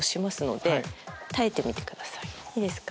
いいですか？